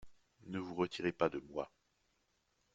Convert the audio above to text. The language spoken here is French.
Ne vous retirez pas de moi.